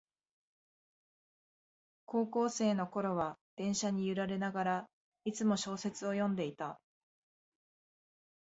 高校生のころは電車に揺られながら、いつも小説を読んでいた